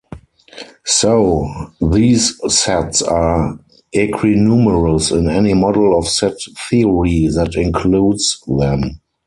So these sets are equinumerous in any model of set theory that includes them.